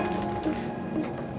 aku mau pergi ke jakarta